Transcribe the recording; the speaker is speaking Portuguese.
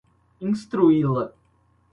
instruí-la